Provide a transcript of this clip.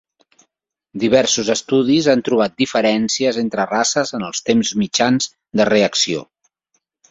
Diversos estudis han trobat diferències entre races en els temps mitjans de reacció.